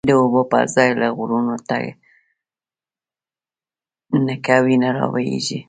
د اوبو پر ځای له غرونو، نګه وینی رابهیږی